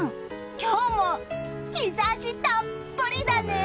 今日も日差したっぷりだね！